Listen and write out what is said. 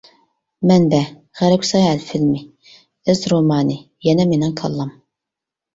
مەنبە: «غەربكە ساياھەت» فىلىمى، «ئىز رومانى» يەنە مېنىڭ كاللام.